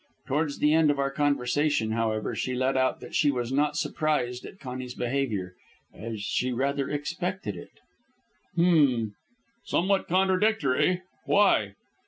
Towards the end of our conversation, however, she let out that she was not surprised at Conny's behaviour, as she rather expected it." "H'm! Somewhat contradictory. Why?"